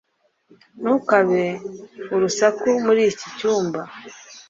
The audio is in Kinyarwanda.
Ntukabe urusaku muri iki cyumba